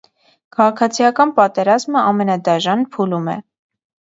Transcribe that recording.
Քաղաքացիական պատերազմը ամենադաժան փուլում է։